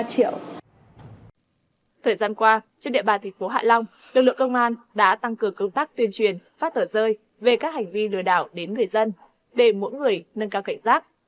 thời gian qua trên địa bàn thành phố hạ long lực lượng công an đã tăng cường công tác tuyên truyền phát tở rơi về các hành vi lừa đảo đến người dân để mỗi người nâng cao cảnh giác